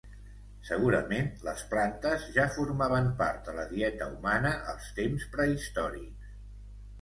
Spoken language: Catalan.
Segurament les plantes ja formaven part de la dieta humana als temps prehistòrics.